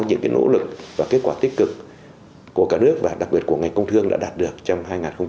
cái nỗ lực và kết quả tích cực của cả nước và đặc biệt của ngành công thương đã đạt được trong hai nghìn một mươi chín